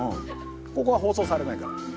ここは放送されないから。